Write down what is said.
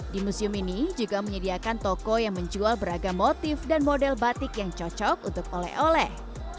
di museum ini juga menyediakan toko yang menjual beragam motif dan model batik yang cocok untuk oleh oleh